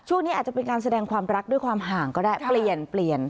ช่วงนี้อาจจะเป็นการแสดงความรักด้วยความห่างก็ได้เปลี่ยนเปลี่ยน